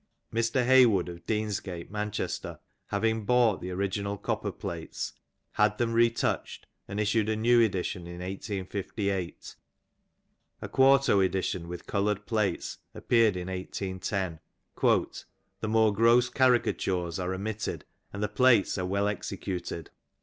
Mr. Hey wood of Deansgate, Manchester, having .bought the original copperplates, had them re touched, and issued a new edition in 1858. A quarto edition with coloured plates appeared in 1810. '* The more gross caricatures are " omitted, and the plates are well executed.